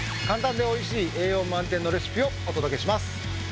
簡単で美味しい栄養満点のレシピをお届けします。